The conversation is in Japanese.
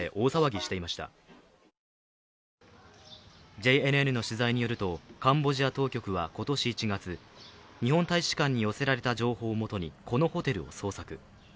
ＪＮＮの取材によるとカンボジア当局は今年１月、日本大使館に寄せられた情報をもとにこのホテルを捜索。